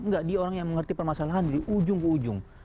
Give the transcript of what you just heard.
nggak dia orang yang mengerti permasalahan dari ujung ke ujung